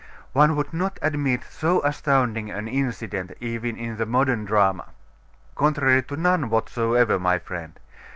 One would not admit so astounding an incident, even in the modern drama.' 'Contrary to none whatsoever, my friend.